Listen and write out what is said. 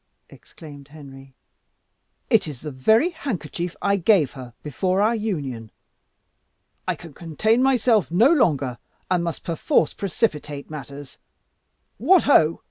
exclaimed Henry, "it is the very handkerchief I gave her before our union! I can contain myself no longer, and must perforce precipitate matters. What ho!"